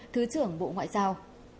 thứ trưởng bộ ngoại giao